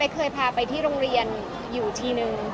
เคยพาไปที่โรงเรียนอยู่ทีนึง